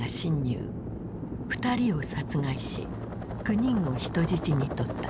２人を殺害し９人を人質にとった。